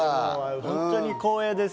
本当に光栄です。